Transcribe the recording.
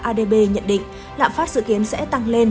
adb nhận định lạm phát dự kiến sẽ tăng lên